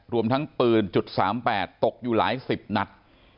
รวมทั้งปืน๓๘ตกอยู่หลายสิบนัด